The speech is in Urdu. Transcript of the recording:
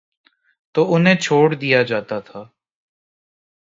تو انہیں چھوڑ دیا جاتا تھا۔